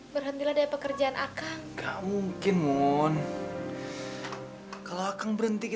mulingnya akang nggak menerima